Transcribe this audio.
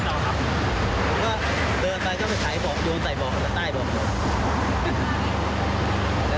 แล้วพอใส่สายผมก็ได้ดู